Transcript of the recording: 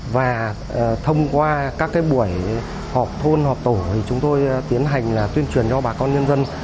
và thông qua các buổi họp thôn họp tổ thì chúng tôi tiến hành tuyên truyền cho bà con nhân dân